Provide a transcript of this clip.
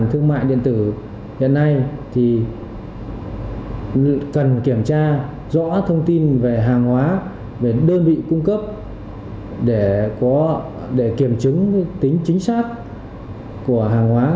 hiện nay thì cần kiểm tra rõ thông tin về hàng hóa về đơn vị cung cấp để kiểm chứng tính chính xác của hàng hóa